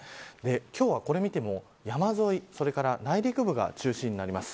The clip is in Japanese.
今日はこれを見ても山沿いそれから内陸部が中心になります。